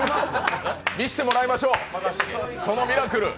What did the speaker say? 見せてもらいましょう、そのミラクル。